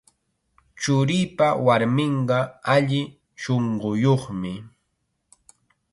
Churiipa warminqa alli shunquyuqmi.